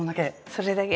それだけ。